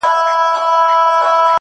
له رویباره مي پوښتمه محلونه د یارانو-